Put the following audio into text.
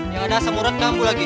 yang ada asam urat kamu lagi